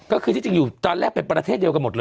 ก็คือที่จริงอยู่ตอนแรกเป็นประเทศเดียวกันหมดเลย